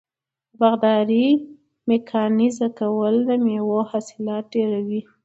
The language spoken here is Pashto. د باغدارۍ میکانیزه کول د میوو حاصلات ډیروي.